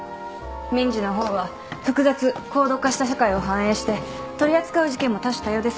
民事の方は複雑高度化した社会を反映して取り扱う事件も多種多様です。